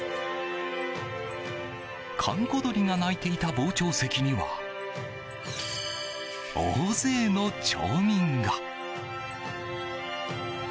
閑古鳥が鳴いていた傍聴席には大勢の町民が。